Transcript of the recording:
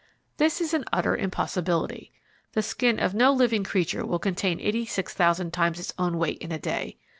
This is an utter impossibility. The skin of no living creature will contain eighty six thousand times its own weight in a day.